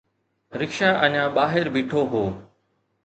رڪشا اڃا ٻاهر بيٺو هو